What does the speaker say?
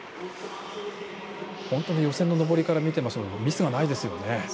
本当に予選の登りから見てもミスがないですね。